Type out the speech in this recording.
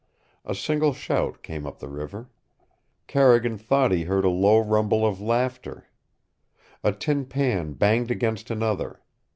A single shout came up the river. Carrigan thought he heard a low rumble of laughter. A tin pan banged against another.